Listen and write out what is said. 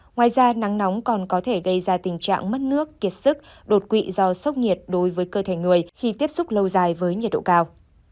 ngoài ra nắng nóng còn có thể gây ra tình trạng mất nước kiệt sức đột quỵ do sốc nhiệt đối với cơ thể người khi tiếp xúc lâu dài với nhiệt độ cao